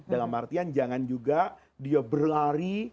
dalam artian jangan juga dia berlari